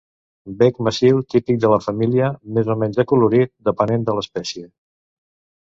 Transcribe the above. Bec massiu, típic de la família, més o menys acolorit, depenent de l'espècie.